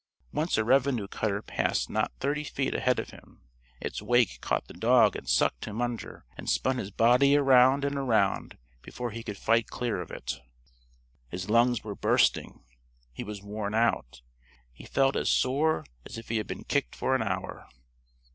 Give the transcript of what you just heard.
Once a revenue cutter passed not thirty feet ahead of him. Its wake caught the dog and sucked him under and spun his body around and around before he could fight clear of it. His lungs were bursting. He was worn out. He felt as sore as if he had been kicked for an hour.